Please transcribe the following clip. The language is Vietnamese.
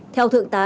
theo thượng tá